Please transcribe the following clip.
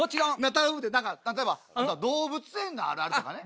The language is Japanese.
頼むでだから例えば動物園のあるあるとかね。